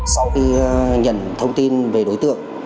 sau khi nhận thông tin về đối tượng